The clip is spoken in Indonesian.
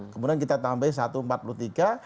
kemudian kita tambahin satu ribu empat puluh tiga ribu